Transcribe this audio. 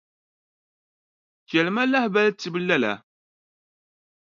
Chɛli ma lahabali tibu lala.